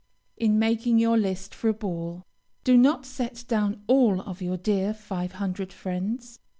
In making your list for a ball, do not set down all of your "dear five hundred friends."